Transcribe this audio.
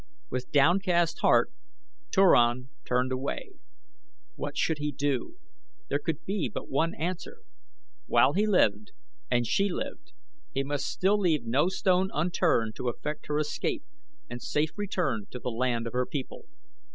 With downcast heart Turan turned away. What should he do? There could be but one answer. While he lived and she lived he must still leave no stone unturned to effect her escape and safe return to the land of her people.